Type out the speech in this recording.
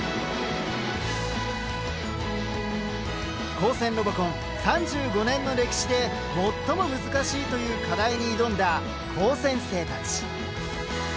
高専ロボコン３５年の歴史で最も難しいという課題に挑んだ高専生たち。